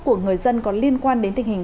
của người dân có liên quan đến tình hình